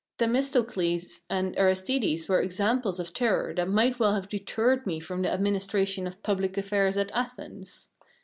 Themistocles and Aristides were examples of terror that might well have deterred me from the administration of public affairs at Athens.